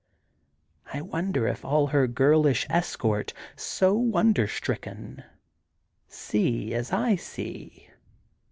I wonder if all her girlish escort, so wonderstricken, see, as I see.